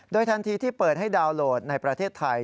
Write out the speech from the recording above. ทันทีที่เปิดให้ดาวน์โหลดในประเทศไทย